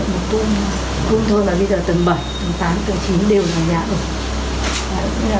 một tôn không thôi mà bây giờ tầng bảy tầng tám tầng chín đều là nhà